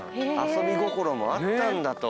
遊び心もあったんだと。